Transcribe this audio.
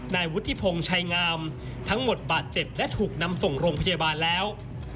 นายวุฒิพงศ์ชัยงามทั้งหมดบาดเจ็บและถูกนำส่งโรงพยาบาลแล้ว